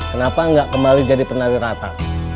kenapa nggak kembali jadi penari rata